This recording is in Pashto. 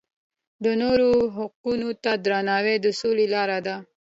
د نورو حقونو ته درناوی د سولې لاره ده.